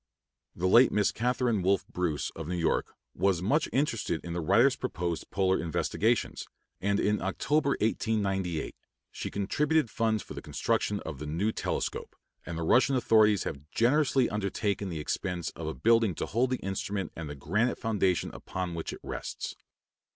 The late Miss Catharine Wolfe Bruce, of New York, was much interested in the writer's proposed polar investigations, and in October, 1898, she contributed funds for the construction of the new telescope, and the Russian authorities have generously undertaken the expense of a building to hold the instrument and the granite foundation upon which it rests.